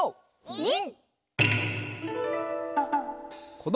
ニン！